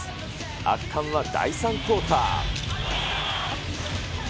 圧巻は第３クオーター。